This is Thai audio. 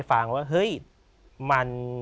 ให้ฟังว่ามัน